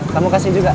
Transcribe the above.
kamu kasih juga